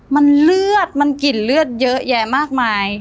มันเลือดมันกลิ่นเลือดเยอะแยะมากมาย